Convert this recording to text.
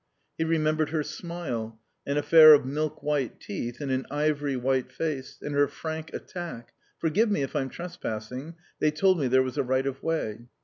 He remembered her smile, an affair of milk white teeth in an ivory white face, and her frank attack: "Forgive me if I'm trespassing. They told me there was a right of way."